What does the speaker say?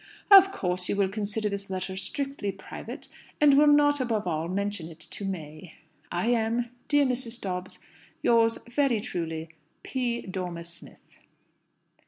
Of course you will consider this letter strictly private, and will not, above all, mention it to May. "I am, dear Mrs. Dobbs, "Yours very truly, "P. DORMER SMITH."